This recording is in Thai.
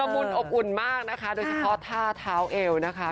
มุนอบอุ่นมากนะคะโดยเฉพาะท่าเท้าเอวนะคะ